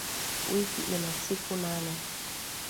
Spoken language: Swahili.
Wiki ina siku nane